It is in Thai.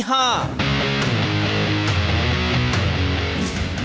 ลูกนี้กิจดาพรทองขาว